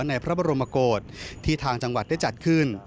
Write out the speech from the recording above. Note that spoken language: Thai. ในพระบรมโกศที่ทางจังหวัดได้จัดขึ้น